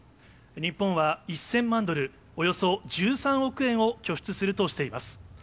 日本は１０００万ドル、およそ１３億円を拠出するとしています。